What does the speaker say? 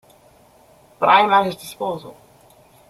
But I am at his disposal.